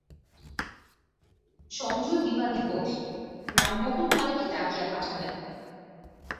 চন্দ্রদ্বীপাধিপতি, রামমোহন মালকে ডাকিয়া পাঠাইলেন।